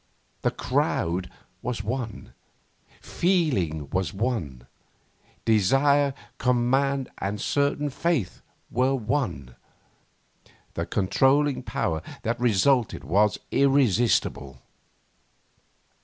The crowd was one; feeling was one; desire, command and certain faith were one. The controlling power that resulted was irresistible.